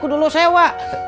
kudu lu sewa